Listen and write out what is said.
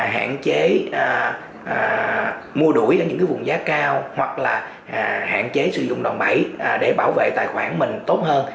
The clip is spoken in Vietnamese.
hạn chế mua đuổi ở những vùng giá cao hoặc là hạn chế sử dụng đòn bẫy để bảo vệ tài khoản mình tốt hơn